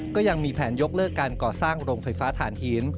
ก็ยังมีแผนยกเลิกการก่อสร้างโรงไฟฟ้าฐานหิน